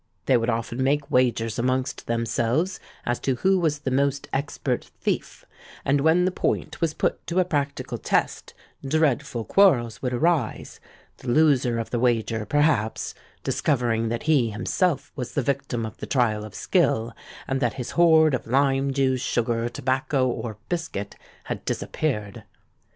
They would often make wagers amongst themselves as to who was the most expert thief; and when the point was put to a practical test, dreadful quarrels would arise, the loser of the wager, perhaps, discovering that he himself was the victim of the trial of skill, and that his hoard of lime juice, sugar, tobacco, or biscuit had disappeared.